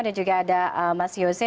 dan juga ada mas yosi